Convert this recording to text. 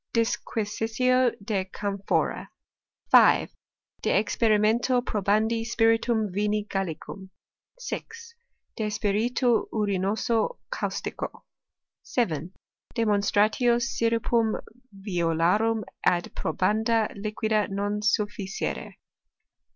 Disquisitio de camphora. 5. De experimento probandi spiritum vini Gallicum. 6. De spiritu urinoso caustico. 7. Demonstratio syrupum violarum ad probanda liquida non sufficere.